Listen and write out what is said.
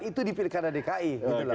itu di pilkara dki